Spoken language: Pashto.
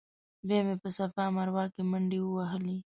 بیا مې په صفا مروه کې منډې ووهلې.